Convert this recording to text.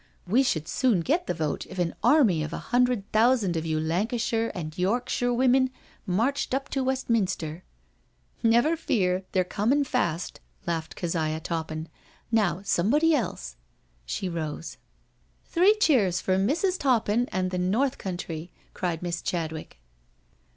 " We should soon get the vote if an army of a hundred thousand of you Lancashire and Yorkshire women marched up to Westminster I "" Never fear, they're comin' fast," laughed Keziah Toppin. " NoW|^ somebody else." She rose. 112 NO SURRENDER '* Three cheers for Mrs. Toppin and the North Country/' cried Miss Chadwick.